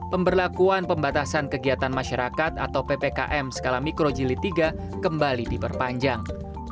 pemberlakuan pembatasan kegiatan masyarakat atau ppkm skala mikro jilid tiga kembali diperpanjang